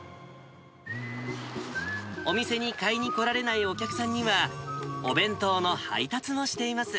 お店に買いに来られないお客さんには、お弁当の配達もしています。